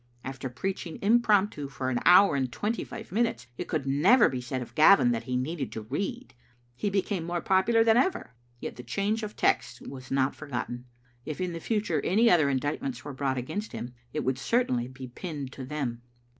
After preaching impromptu for an hour and twenty five minutes, it could never be said of Gavin that he needed to read. He became more popular than ever. Yet the change of texts was not forgotten. If in the future any other indictments were brought against him, it would certainly be pinned to them.